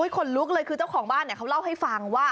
ขนลุกเลยคือเจ้าของบ้านเขาเล่าให้ฟังว่า